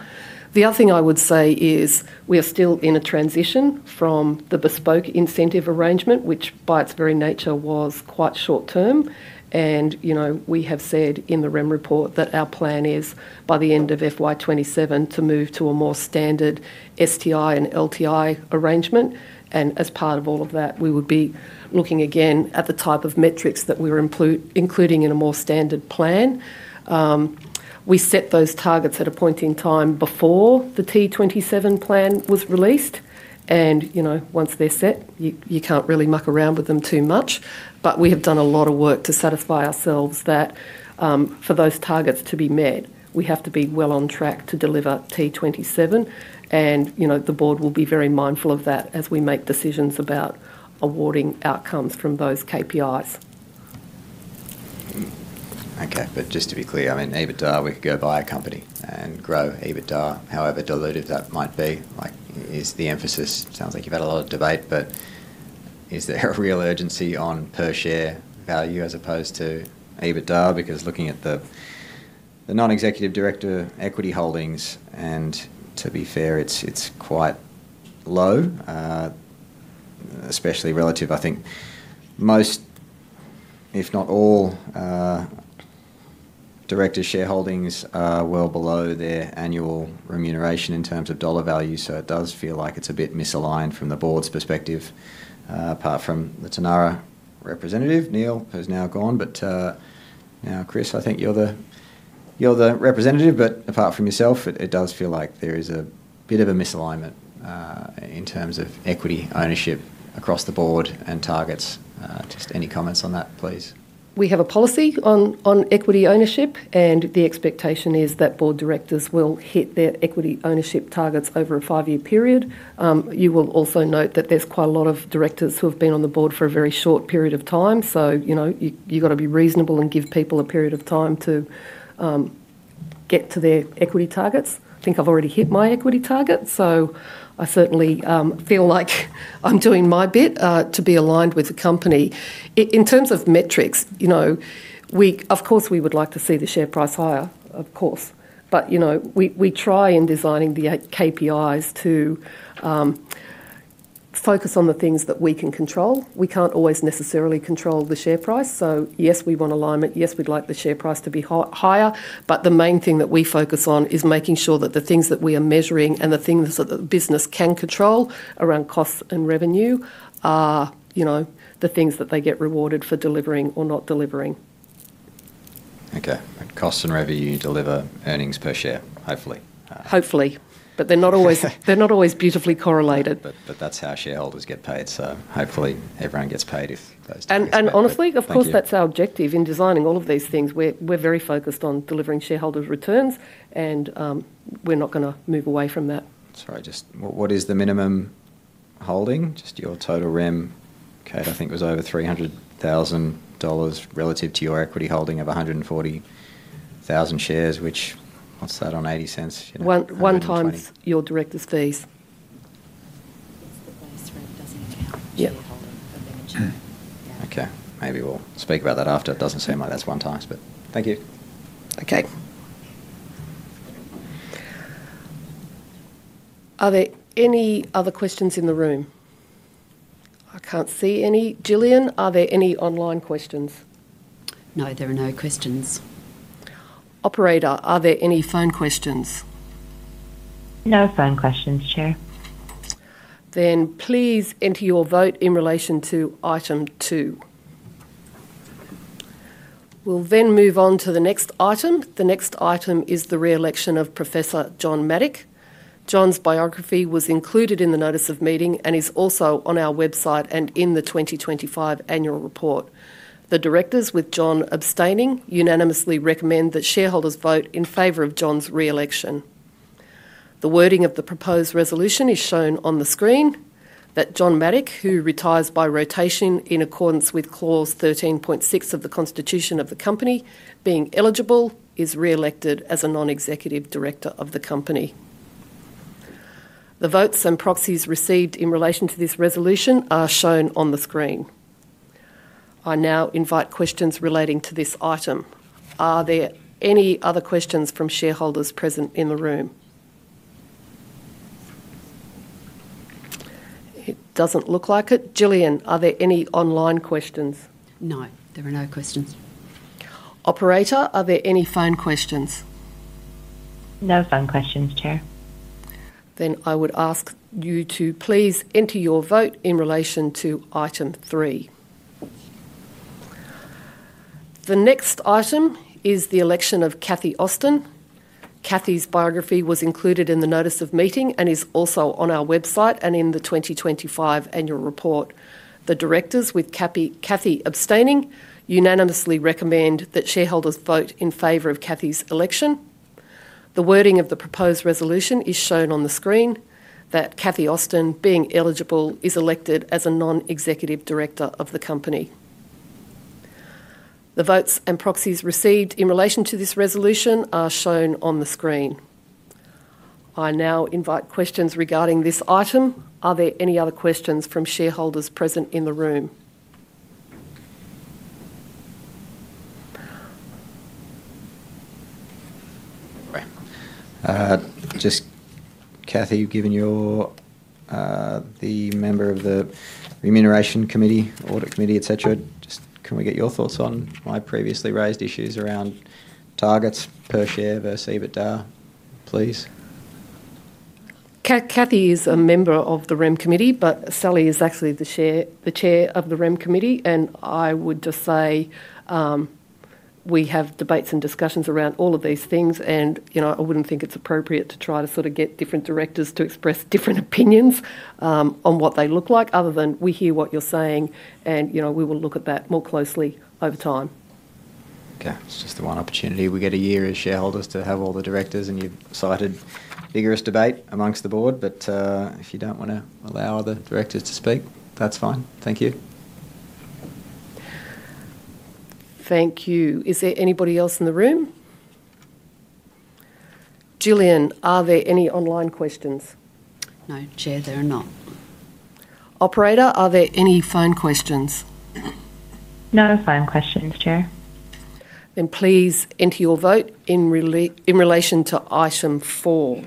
A: The other thing I would say is we are still in a transition from the bespoke incentive arrangement, which by its very nature was quite short term. We have said in the REM report that our plan is by the end of FY 2027 to move to a more significant standard STI and LTI arrangement. As part of all of that, we would be looking again at the type of metrics that we were including in a more standard plan. We set those targets at a point in time before the T27 strategy was released. Once they're set, you can't really muck around with them too much. We have done a lot of work to satisfy ourselves that for those targets to be met, we have to be well on track to deliver T27. The board will be very mindful of that as we make decisions about awarding outcomes from those KPIs.
G: Okay, but just to be clear, I mean, EBITDA, we could go buy a company and grow EBITDA. However dilutive that might be, is the emphasis—sounds like you've had a lot of debate. Is there a real urgency on perspective share value as opposed to EBITDA? Because looking at the Non-Executive Director equity holdings, and to be fair, it's quite low, especially relative. I think most, if not all, directors' shareholdings are well below their annual remuneration in terms of dollar value. It does feel like it's a bit misaligned from the Board's perspective. Apart from the Tanarra representative, Neil has now gone. Now, Chris, I think you're the representative, but apart from yourself, it does feel like there is a bit of a misalignment in terms of equity ownership across the Board and targets. Just any comments on that, please?
A: We have a policy on equity ownership, and the expectation is that board directors will hit their equity ownership targets over a five-year period. You will also note that there's quite a lot of directors who have been on the board for a very short period of time. You have to be reasonable and give people a period of time to get to their equity targets. I think I've already hit my equity target, so I certainly feel like I'm doing my bit to be aligned with the company in terms of metrics. Of course, we would like to see the share price higher. We try in designing the KPIs to focus on the things that we can control. We can't always necessarily control the share price. Yes, we want alignment, and yes, we'd like the share price to be higher. The main thing that we focus on is making sure that the things that we are measuring and the things that the business can control around costs and revenue are the things that they get rewarded for delivering or not delivering.
G: Okay, cost and revenue deliver earnings per share, hopefully.
A: Hopefully, they're not always beautifully correlated.
G: That is how shareholders get paid. Hopefully, everyone gets paid if those two.
A: Of course that's our objective in designing all of these things. We're very focused on delivering shareholders returns and we're not going to move away from that.
G: Sorry, just what is the minimum holding? Just your total REM, Kate, I think was over 300,000 dollars relative to your equity holding of 140,000 shares, which, what's that. On 0.80
A: one times your director's fees.
G: Okay, maybe we'll speak about that after. It doesn't seem like that's one times, but thank you.
A: Okay. Are there any other questions in the room? I can't see any. Gillian, are there any online questions?
E: No, there are no questions.
A: Operator, are there any phone questions?
F: No phone questions, Chair.
A: Please enter your vote in relation to Item 2. We'll then move on to the next Item. The next Item is the re-election of Professor John Mattick. John's biography was included in the notice of meeting and is also on our website and in the 2025 annual report. The Directors, with John abstaining, unanimously recommend that shareholders vote in favor of John's re-election. The wording of the proposed resolution is shown on the screen: that John Mattick, who retires by rotation in accordance with Clause 13.6 of the Constitution of the company, being eligible, is re-elected as a Non-Executive Director of the company. The votes and proxies received in relation to this resolution are shown on the screen. I now invite questions relating to this Item. Are there any other questions from shareholders present in the room? It doesn't look like it. Gillian, are there any online questions?
E: No, there are no questions.
A: Operator, are there any phone questions?
F: No phone questions. Chair.
A: I would ask you to please enter your vote in relation to Item 3. The next Item is the election of Kathy Ostin. Kathy's biography was included in the notice of meeting and is also on our website and in the 2025 annual report. The Directors, with Kathy abstaining, unanimously recommend that shareholders vote in favor of Kathy's election. The wording of the proposed resolution is shown on the screen that Kathy Ostin, being eligible, is elected as a Non-Executive Director of the company. The votes and proxies received in relation to this resolution are shown on screen. I now invite questions regarding this Item. Are there any other questions from shareholders present in the room?
H: Just Kathy, given you're the member of the Remuneration Committee, Audit Committee, etc. Can we get your thoughts on my previously raised issues around targets per share versus EBITDA, please?
A: Kathy is a member of the REM Committee, but Sally is actually the Chair of the REM Committee. I would just say we have debates and discussions around all of these things, and I wouldn't think it's appropriate to try to sort of get different directors to express different opinions on what they look like other than we hear what you're saying, and we will look at that more closely over time.
H: Ok. It's just the one opportunity we get a year as shareholders to have all the directors, and you've cited vigorous debate amongst the board. If you don't want to allow other directors to speak, that's fine. Thank you.
A: Thank you. Is there anybody else in the room? Gillian, are there any online questions?
E: No, Chair. There are not.
A: Operator, are there any phone questions?
F: No phone questions, Chair.
A: Please enter your vote in relation to Item 4.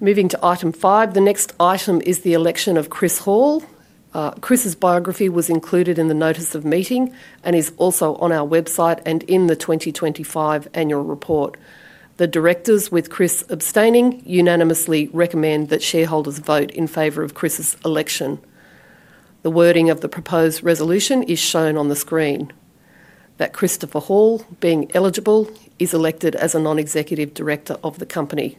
A: Moving to Item 5. The next Item is the election of Chris Hall. Chris's biography was included in the notice of meeting and is also on our website and in the 2025 annual report. The directors, with Chris abstaining, unanimously recommend that shareholders vote in favor of Chris's election. The wording of the proposed resolution is shown on the screen that Christopher Hall, being eligible, is elected as a Non-Executive Director of the company.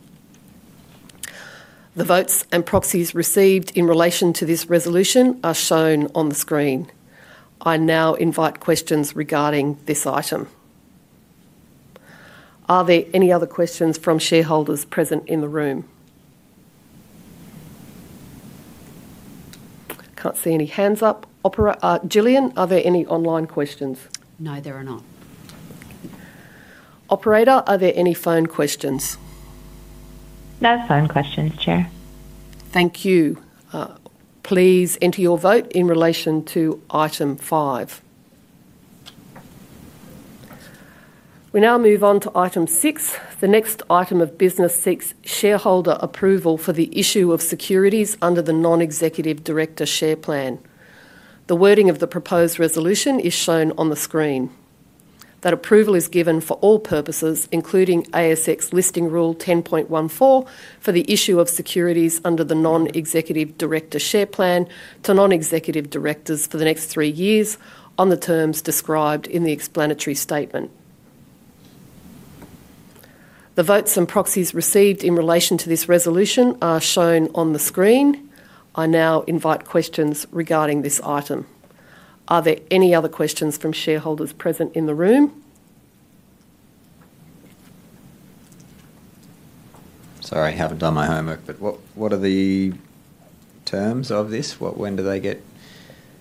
A: The votes and proxies received in relation to this resolution are shown on the screen. I now invite questions regarding this Item. Are there any other questions from shareholders present in the room? Can't see any hands up. Gillian, are there any online questions?
E: No, there are not.
A: Operator, are there any phone questions?
F: No phone questions, Chair.
A: Thank you. Please enter your vote in relation to Item 5. We now move on to Item 6, the next Item of business, shareholder approval for the issue of securities under the Non-Executive Director Share Plan. The wording of the proposed resolution is shown on the screen. That approval is given for all purposes, including ASX Listing Rule 10.14, for the issue of securities under the Non-Executive Director Share Plan to Non-Executive Directors for the next three years on the terms described in the explanatory statement. The votes and proxies received in relation to this resolution are shown on the screen. I now invite questions regarding this Item. Are there any other questions from shareholders present in the room?
I: Sorry, haven't done my homework. What are the terms of this? When do they get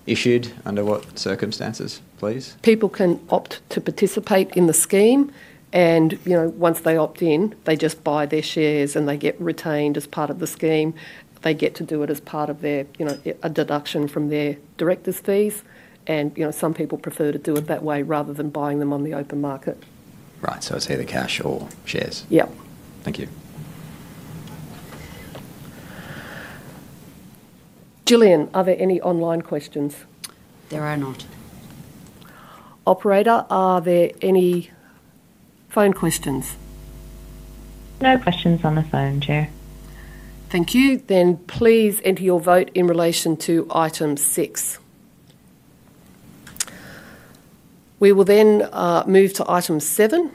I: issued? Under what circumstances, please?
A: People can opt to participate in the scheme and, you know, once they opt in, they just buy their shares and they get retained as part of the scheme. They get to do it as part of their, you know, a deduction from their Directors' fees, and, you know, some people prefer to do it that way rather than buying on the open market.
I: Right, so it's either cash or shares.
A: Yep.
I: Thank you.
A: Gillian, are there any online questions?
E: There are not.
A: Operator, are there any phone questions?
F: No questions on the phone? Chair.
A: Thank you. Please enter your vote in relation to Item 6. We will now move to Item 7.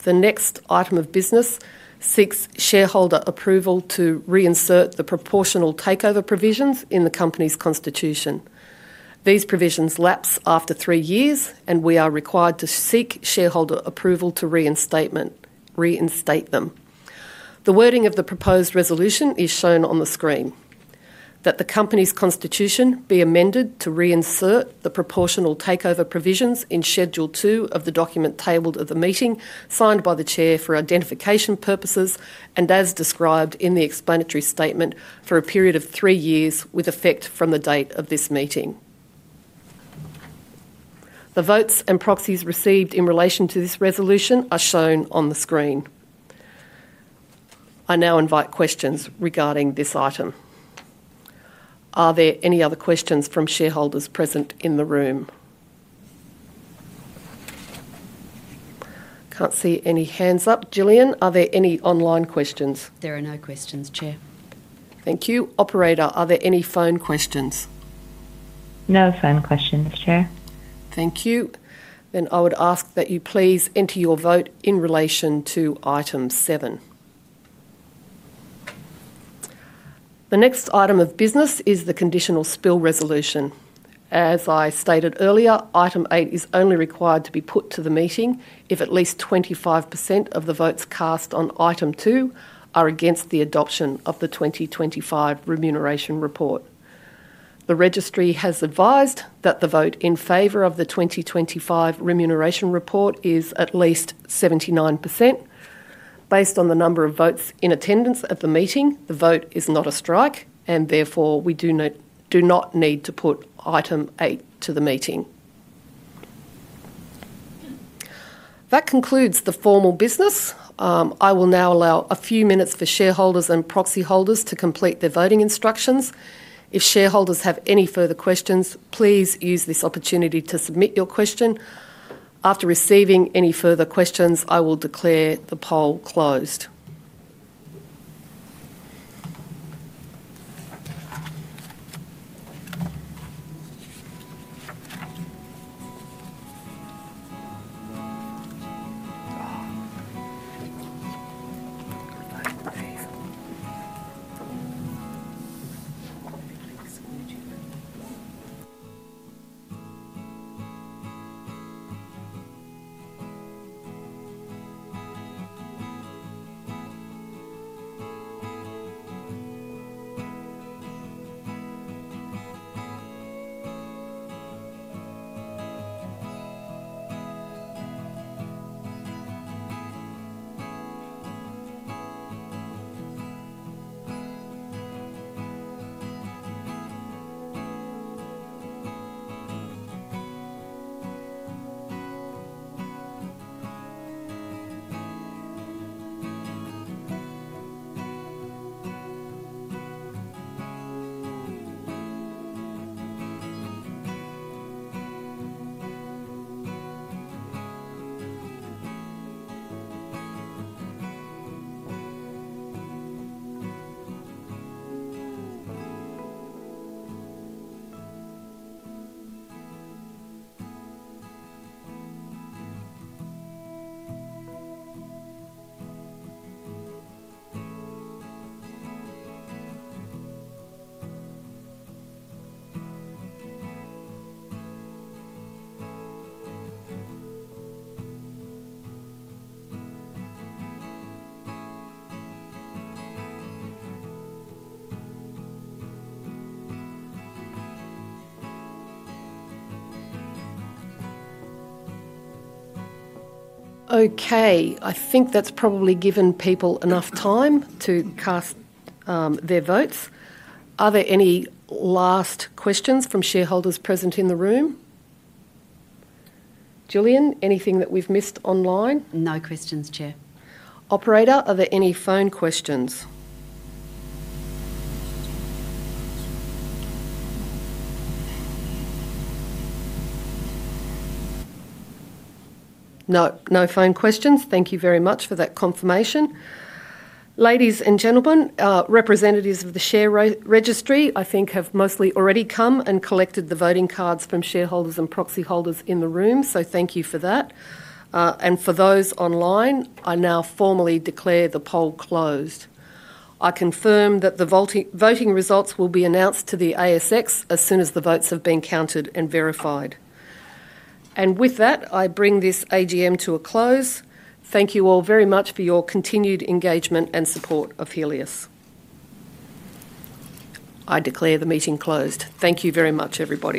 A: The next Item of business seeks shareholder approval to reinsert the proportional takeover provisions in the company's constitution. These provisions lapse after three years and we are required to seek shareholder approval to reinstate them. The wording of the proposed resolution is shown on the screen: that the company's constitution be amended to reinsert the proportional takeover provisions in Schedule two of the document tabled at the meeting, signed by the Chair for identification purposes and as described in the explanatory statement for a period of three years with effect from the date of this meeting. The votes and proxies received in relation to this resolution are shown on the screen. I now invite questions regarding this Item. Are there any other questions from shareholders present in the room? Can't see any. Hands up. Gillian. Are there any online questions?
E: There are no questions, Chair.
A: Thank you, Operator. Are there any phone questions?
F: No phone questions, Chair.
A: Thank you. I would ask that you please enter your vote in relation to Item 7. The next Item of business is the conditional spill resolution. As I stated earlier, Item 8 is only required to be put to the meeting if at least 25% of the votes cast on Item 2 are against the adoption of the 2025 remuneration report. The registry has advised that the vote in favor of the 2025 remuneration report is at least 79% based on the number of votes in attendance at the meeting. The vote is not a strike and therefore we do not need to put Item 8 to the meeting. That concludes the formal business. I will now allow a few minutes for shareholders and proxy holders to complete their voting instructions. If shareholders have any further questions, please use this opportunity to submit your question. After receiving any further questions, I will declare the poll closed. Okay, I think that's probably given people enough time to cast their votes. Are there any last questions from shareholders present in the room? Gillian, anything that we've missed online?
E: No questions, Chair.
A: Operator, are there any phone questions?
F: No phone questions.
A: Thank you very much for that confirmation. Ladies and gentlemen, representatives of the Share Registry, I think have mostly already come and collected the voting cards from shareholders and proxy holders in the room. Thank you for that and for those online. I now formally declare the poll closed. I confirm that the voting results will be announced to the ASX as soon as the votes have been counted and verified. With that, I bring this AGM to a close. Thank you all very much for your continued engagement and support of Healius. I declare the meeting closed. Thank you very much, everybody.